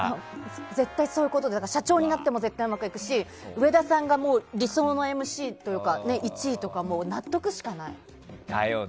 絶対そういう人は社長になってもうまくいくし上田さんが理想のＭＣというか１位とかだよな。